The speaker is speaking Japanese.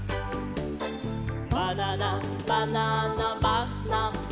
「バナナバナナバナナ」